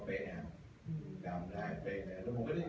เรื่องความจำความคิดหาผมว่าเป็น